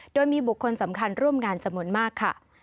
โดยมีบุคคลสำคัญร่วมงานจำนวนมากค่ะ